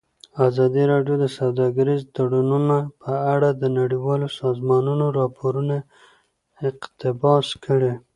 ازادي راډیو د سوداګریز تړونونه په اړه د نړیوالو سازمانونو راپورونه اقتباس کړي.